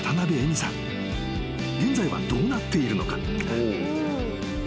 ［現在はどうなっているのか？］